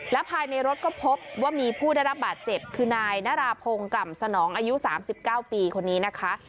และภายในรถก็พบว่ามีผู้ได้รับบาดเจ็บคือนายนาราพงศ์กล่ำสนองอายุ๓๙ปีคนนี้นะคะ